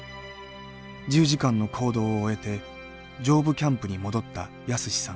１０時間の行動を終えて上部キャンプに戻った泰史さん。